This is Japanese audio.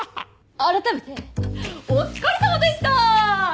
あらためてお疲れさまでした！